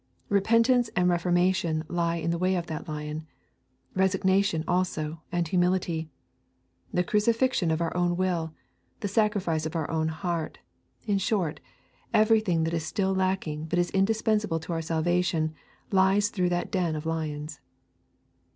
Repentance and reformation lie in the way of that lion; resignation also and humility; the crucifixion of our own will; the sacrifice of our own heart; in short, everything that is still lacking but is indispensable to our salvation lies through that den of lions.